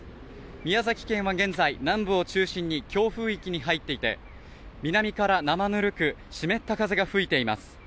宮崎県は現在南部を中心に強風域に入っていて南から生ぬるく湿った風が吹いています